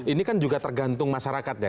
ini kan juga tergantung masyarakat ya